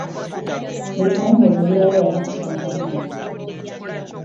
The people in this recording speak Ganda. Buli kawungezi nzirayo ewaka kusanga maama.